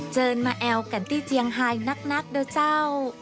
เจอมาแอวกันที่เจียงไฮนักด้วยเจ้า